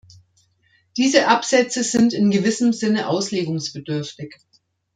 Diese Absätze sind in gewissem Sinne auslegungsbedürftig.